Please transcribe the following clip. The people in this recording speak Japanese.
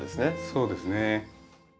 そうですね。